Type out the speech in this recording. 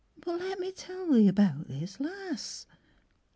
But let Me tell thee about this lass.